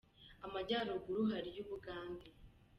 Amajyaruguru hariyo u bugande.